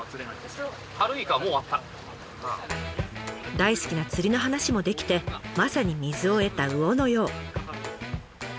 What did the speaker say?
大好きな釣りの話もできてまさに水を得た魚のよう。